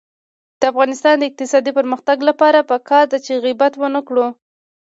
د افغانستان د اقتصادي پرمختګ لپاره پکار ده چې غیبت ونکړو.